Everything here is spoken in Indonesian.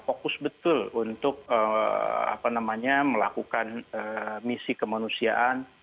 fokus betul untuk melakukan misi kemanusiaan